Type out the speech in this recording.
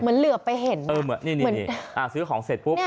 เหมือนเหลื่อไปเห็น